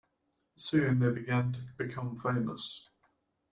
Soon they began to become famous.